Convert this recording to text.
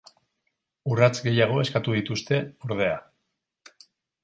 Urrats gehiago eskatu dituzte, ordea.